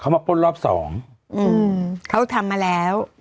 เขามาปล้นรอบ๒เขาทำมาแล้ว